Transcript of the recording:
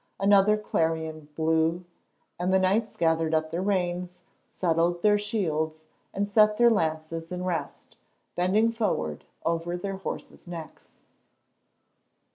Another clarion blew, and the knights gathered up their reins, settled their shields, and set their lances in rest, bending forward over their horses' necks.